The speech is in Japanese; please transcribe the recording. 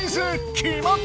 きまった！